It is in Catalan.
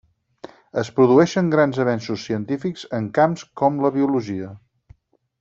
Es produeixen grans avenços científics en camps com la biologia.